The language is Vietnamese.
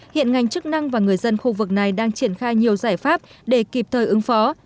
hiện ngành chức năng và người dân khu vực này đang triển khai nhiều giải pháp để kịp thời ứng phó